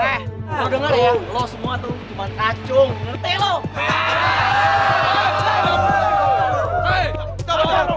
eh lo dengar ya lo semua tuh cuma kacung ngerti lo